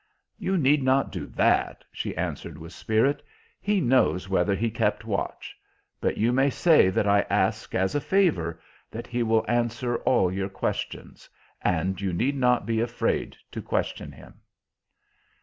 "You need not do that," she answered with spirit. "He knows whether he kept watch. But you may say that I ask, as a favor, that he will answer all your questions; and you need not be afraid to question him."